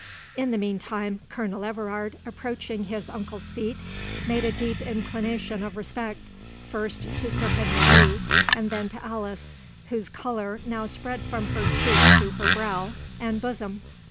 In the meanwhile, Colonel Everard, approaching his uncle's seat, made a deep inclination of respect, first to Sir Henry Lee, and then to Alice, whose colour now spread from her cheek to her brow and bosom.